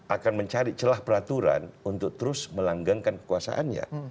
akan mencari celah peraturan untuk terus melanggengkan kekuasaannya